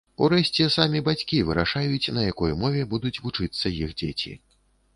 Урэшце, самі бацькі вырашаюць, на якой мове будуць вучыцца іх дзеці.